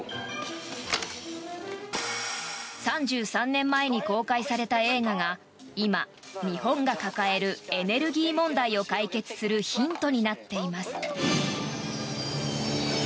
３３年前に公開された映画が今、日本が抱えるエネルギー問題を解決するヒントになっています。